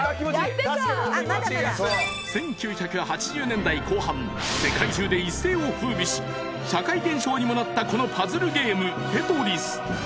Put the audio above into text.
［１９８０年代後半世界中で一世を風靡し社会現象にもなったこのパズルゲームテトリス］